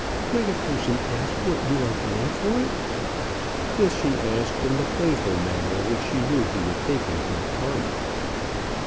"Might a person ask what you are going for?" This she asked in the playful manner which she knew he would take in good part.